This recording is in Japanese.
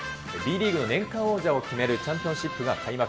Ｂリーグの年間王者を決めるチャンピオンシップが開幕。